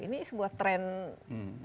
ini sebuah trend juga atau sebuah trend